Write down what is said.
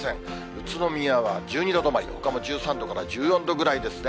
宇都宮は１２度止まりで、ほかも１３度から１４度ぐらいですね。